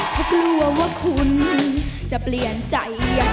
เพราะกลัวว่าคุณจะเปลี่ยนใจ